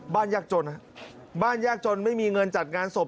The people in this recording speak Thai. ยากจนบ้านยากจนไม่มีเงินจัดงานศพ